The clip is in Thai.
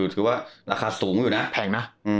ถือว่าราคาสูงอยู่นะ